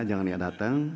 jangan lihat datang